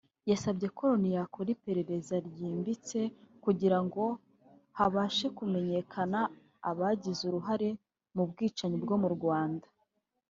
yasabye ko Loni yakora iperereza ryimbitse kugira ngo habashe kumenyekana abagize uruhare mu bwicanyi bwo mu Rwanda